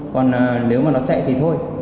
còn nếu mà nó chạy thì thôi